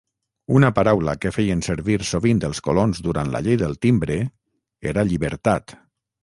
Una paraula que feien servir sovint els colons durant la llei del Timbre era "llibertat".